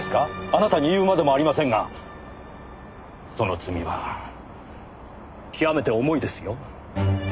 あなたに言うまでもありませんがその罪は極めて重いですよ。